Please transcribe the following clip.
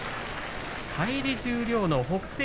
返り十両の北青鵬